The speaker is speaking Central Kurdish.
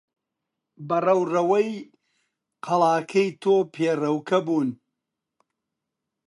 بە ڕەوڕەوەی قەڵاکەی تۆ پێڕەوکە بوون.